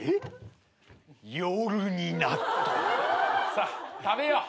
さっ食べよう。